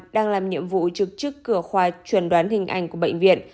đang làm nhiệm vụ trực trức cửa khoa truyền đoán hình ảnh của bệnh viện